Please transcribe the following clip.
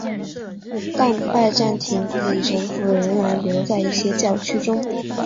但拜占庭礼神父仍然留在一些教区中。